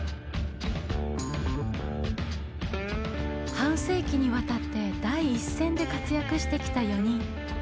半世紀にわたって第一線で活躍してきた４人。